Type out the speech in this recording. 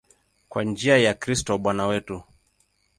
Kwa njia ya Kristo Bwana wetu.